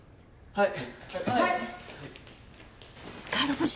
はい！